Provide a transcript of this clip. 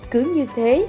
cứ như thế